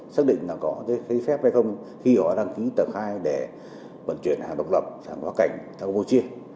xác định là có giấy phép hay không khi họ đăng ký tập hai để vận chuyển hàng độc lập hàng quá cảnh hàng vô chia